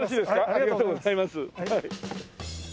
ありがとうございます。